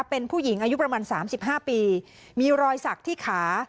เป็นผู้หญิงอายุประมาณ๓๕ปีมีรอยสักที่ขา